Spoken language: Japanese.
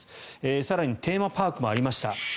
更にテーマパークもありました。